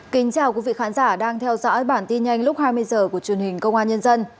kính chào quý vị khán giả đang theo dõi bản tin nhanh lúc hai mươi h của truyền hình công an nhân dân